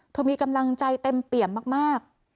มีกำลังใจเต็มเปี่ยมมาก